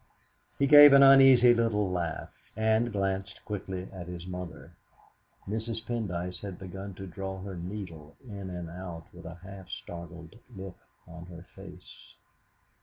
He gave an uneasy little laugh, and glanced quickly at his mother. Mrs. Pendyce had begun to draw her needle in and out with a half startled look on her face.